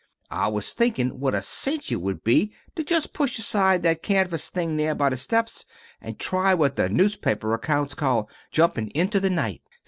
"I was thinkin' what a cinch it would be to just push aside that canvas thing there by the steps and try what the newspaper accounts call 'jumping into the night.'